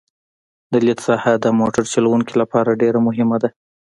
د لید ساحه د موټر چلوونکي لپاره ډېره مهمه ده